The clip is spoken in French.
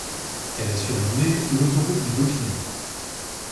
Elle est surnommée l'Autoroute du Dauphiné.